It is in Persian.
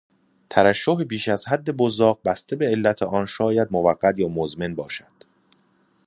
ترشح بیش از حد بزاق بسته به علت آن شاید موقت یا مزمن باشد